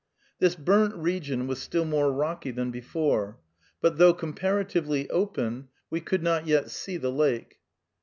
This burnt region was still more rocky than before, but, though comparatively open, we could not yet see the lake.